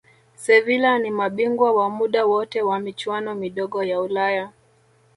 sevila ni mabingwa wa muda wote wa michuano midogo ya ulaya